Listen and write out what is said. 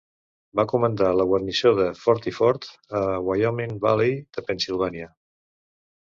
Va comandar la guarnició de Forty Fort a Wyoming Valley de Pennsilvània.